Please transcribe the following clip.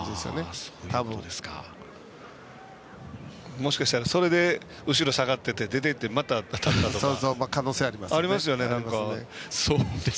もしかしたらそれで後ろ下がってて出て行ってまた当たった可能性がありますね。